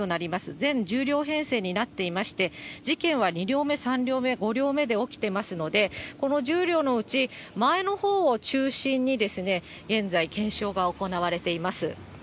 全１０両編成になっていまして、事件は２両目、３両目、５両目で起きてますので、この１０両のうち前のほうを中心に、現在、検証が行われています。